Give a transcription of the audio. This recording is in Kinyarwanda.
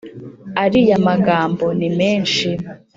ariya magambo nimenshi